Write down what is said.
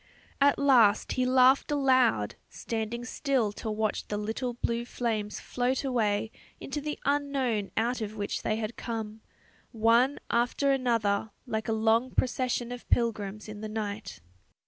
At last he laughed aloud, standing still to watch the little blue flames float away into the unknown out of which they had come, one after another like a long procession of pilgrims in the night....